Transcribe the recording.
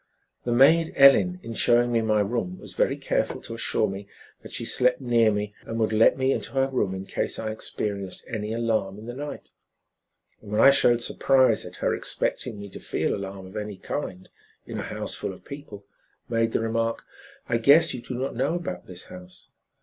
The maid, Ellen, in showing me my room, was very careful to assure me that she slept near me and would let me into her room in case I experienced any alarm in the night; and when I showed surprise at her expecting me to feel alarm of any kind in a house full of people, made the remark, 'I guess you do not know about this house.